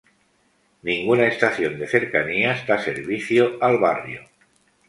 Ninguna estación de Cercanías da servicio al barrio.